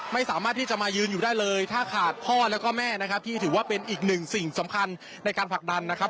ไม่สามารถที่จะมายืนอยู่ได้เลยถ้าขาดพ่อแล้วก็แม่นะครับที่ถือว่าเป็นอีกหนึ่งสิ่งสำคัญในการผลักดันนะครับ